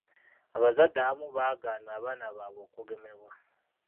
Abazadde abamu baagaana abaana baabwe okugemebwa.